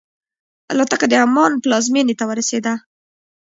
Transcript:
الوتکه د عمان پلازمینې ته ورسېده.